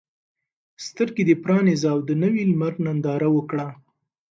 سترګې دې پرانیزه او د نوي لمر ننداره وکړه.